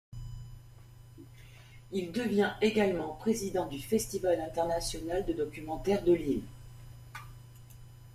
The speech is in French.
Il devient également président du Festival international de documentaire de Lille.